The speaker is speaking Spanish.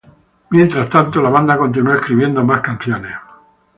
Mientras tanto, la banda continuó escribiendo más canciones.